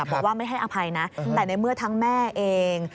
บอกว่าไม่ให้อภัยนะแต่ในเมื่อทั้งแม่เอง